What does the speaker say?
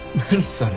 それ。